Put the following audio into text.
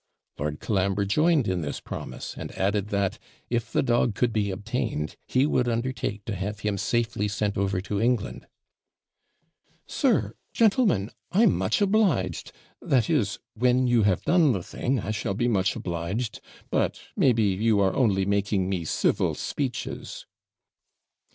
Lord Colambre joined in this promise, and added that, 'if the dog could be obtained, he would undertake to have him safely sent over to England.' 'Sir gentlemen! I'm much obliged; that is, when you have done the thing I shall be much obliged. But, maybe, you are only making me civil speeches!'